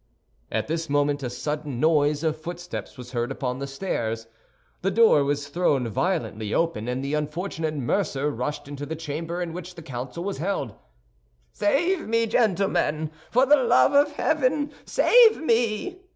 At this moment a sudden noise of footsteps was heard upon the stairs; the door was thrown violently open, and the unfortunate mercer rushed into the chamber in which the council was held. "Save me, gentlemen, for the love of heaven, save me!"